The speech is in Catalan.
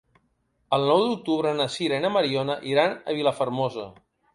El nou d'octubre na Sira i na Mariona iran a Vilafermosa.